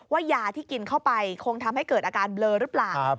ยาที่กินเข้าไปคงทำให้เกิดอาการเบลอหรือเปล่า